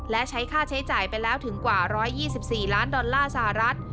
และใช้ค่าใช้จ่ายไปแล้วถึงกว่า๑๒๔ล้านดอลลาร์สหรัฐ